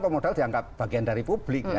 pemodal dianggap bagian dari publik ya